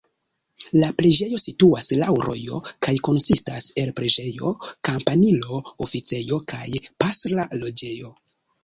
La preĝejo situas laŭ rojo kaj konsistas el preĝejo, kampanilo, oficejo kaj pastra loĝejo.